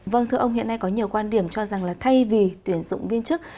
vâng thưa ông hiện nay có nhiều quan điểm cho rằng là thay vì tuyển dụng viên chức